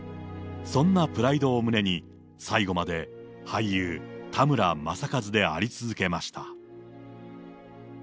そんなプライドを胸に、最後まで俳優、田村正和であり続けました。